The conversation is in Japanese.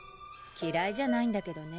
嫌いじゃないんだけどね。